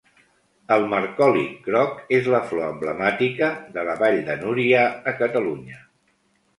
El marcòlic groc és la flor emblemàtica de la Vall de Núria, a Catalunya.